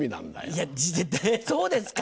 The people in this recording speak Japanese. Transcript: いやそうですか？